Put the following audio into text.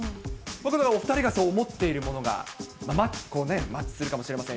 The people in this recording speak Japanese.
お２人がそう思っているものがマッチするかもしれません。